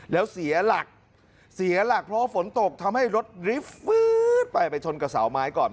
แล้วเสียหลักเพราะฝนตกทำให้รถรีฟไปไปชนกับเสาไม้ก่อน